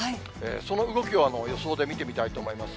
その動きを予想で見てみたいと思います。